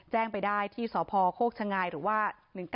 แจ้งไปได้ที่สพโคกชังไงหรือว่า๑๙๑๑๕๙๙